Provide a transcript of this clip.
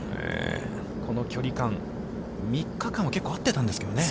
この距離感、３日間は結構あってたんですけどね。